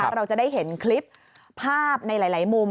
เราจะได้เห็นคลิปภาพในหลายมุม